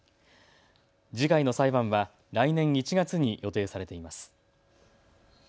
次回の裁判は来年１月に予定されています。